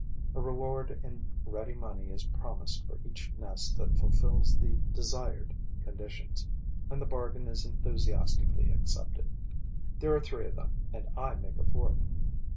A reward in ready money is promised for each nest that fulfils the desired conditions; and the bargain is enthusiastically accepted. There are three of them; and I make a fourth.